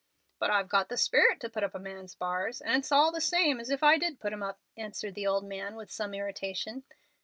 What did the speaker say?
"But I've got the sperit to put up a man's bars, and it's all the same as if I did put 'em up," answered the old man, with some irritation.